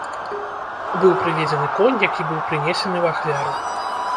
Быў прыведзены конь, які быў прынесены ў ахвяру.